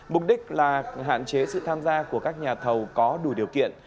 mục đích là hạn chế sự tham gia của các nhà thầu có đủ điều kiện